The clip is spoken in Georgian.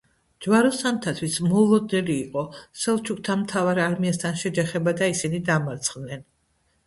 ჯვაროსანთათვის მოულოდნელი იყო სელჩუკთა მთავარ არმიასთან შეჯახება და ისინი დამარცხდნენ.